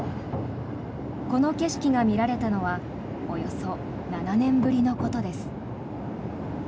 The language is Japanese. この景色が見られたのはおよそ７年ぶりのことです。